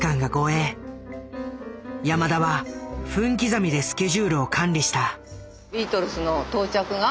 山田は分刻みでスケジュールを管理した。